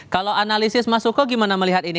kalau analisis mas suko gimana melihat ini